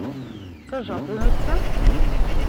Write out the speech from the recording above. D tajapunit kemm?